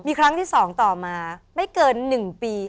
มีครั้งที่สองต่อมาไม่เกินหนึ่งปี